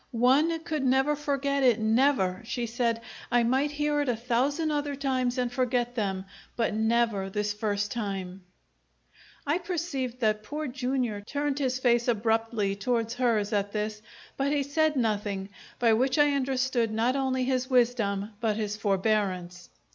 "One could never forget it, never!" she said. "I might hear it a thousand other times and forget them, but never this first time." I perceived that Poor Jr. turned his face abruptly toward hers at this, but he said nothing, by which I understood not only his wisdom but his forbearance.